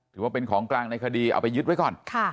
ถือว่าเป็นของกลางในคดีเอาไปยึดไว้ก่อน